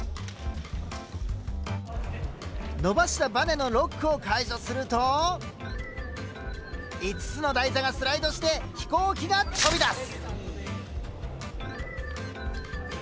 伸ばしたバネのロックを解除すると５つの台座がスライドして飛行機が飛び出す。